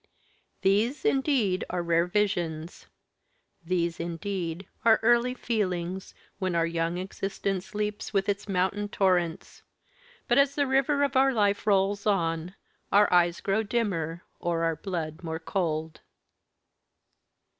These, indeed, are rare visions these, indeed, are early feelings, when our young existence leaps with its mountain torrents; but as the river of our life rolls on, our eyes grow dimmer, or our blood more cold.